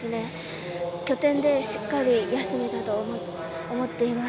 しっかり休めたと思っています。